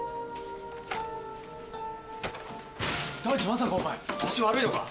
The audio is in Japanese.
まさかお前足悪いのか？